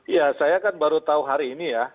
ya saya kan baru tahu hari ini ya